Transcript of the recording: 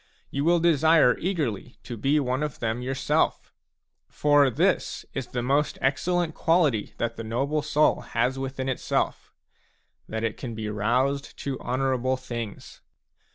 You will desire eagerly to be one of them yourself. For this is the most excellent quality that the noble soul has within itself, that it can be roused to honourable things.